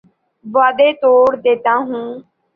وعدے توڑ دیتا ہوں